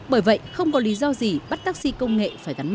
bởi vậy không có lý do gì bắt taxi công nghệ phải thu hút